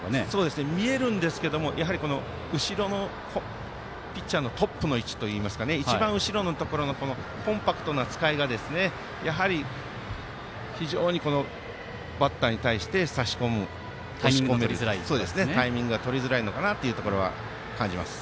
見えるんですけど後ろのピッチャーのトップの位置といいますか一番後ろのところのコンパクトな使いがやはり非常にバッターに対して差し込むタイミングがとりづらいのかなと感じます。